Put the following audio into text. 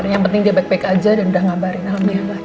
yang penting dia baik baik aja dan udah ngabarin alamnya